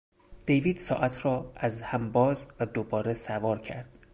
دیوید ساعت را از هم باز و دوباره سوار کرد.